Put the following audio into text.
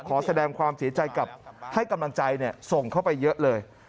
ขอแสดงความเสียใจกับให้กำลังใจส่งเข้าไปเยอะเลย